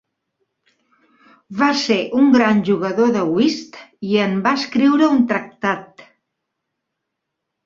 Va ser un gran jugador de "whist" i en va escriure un tractat.